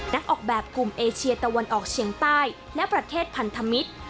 ออกแบบกลุ่มเอเชียตะวันออกเชียงใต้และประเทศพันธมิตร